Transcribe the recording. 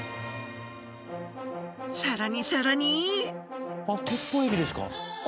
さらにさらにあっテッポウエビですか？